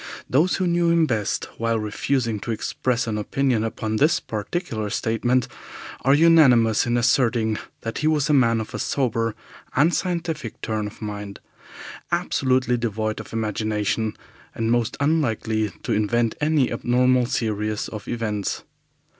Those who knew him best, while refusing to express an opinion upon this particular statement, are unanimous in asserting that he was a man of a sober and scientific turn of mind, absolutely devoid of imagination, and most unlikely to invent any abnormal series of events.